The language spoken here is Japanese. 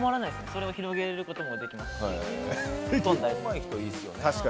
それを広げることもできますし。